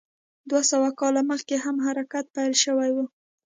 دولس سوه کاله مخکې هم حرکت پیل شوی و.